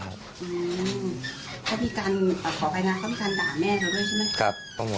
อืมพระพิการขอไปนะพระพิการด่าแม่เธอด้วยใช่ไหม